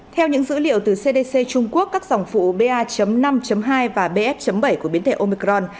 theo những dữ liệu từ cdc trung quốc các dòng phụ ba năm hai và bf bảy của biến thể omicron